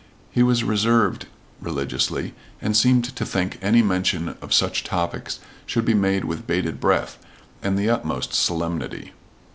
He was reserved religiously, and seemed to think any mention of such topics should be made with bated breath, and the utmost solemnity.